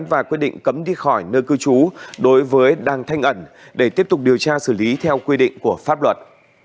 và quyết định cấm đi khỏi nơi cư trú đối với đang thanh ẩn để tiếp tục điều tra xử lý theo quy định của pháp luật